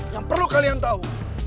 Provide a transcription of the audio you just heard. yang perlu kalian tau